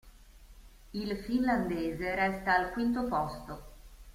Il finlandese resta al quinto posto.